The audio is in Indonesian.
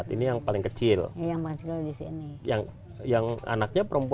ini yang paling kecil yang yang anaknya perempuan